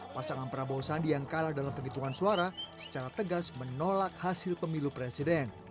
pasangan prabowo sandi yang kalah dalam penghitungan suara secara tegas menolak hasil pemilu presiden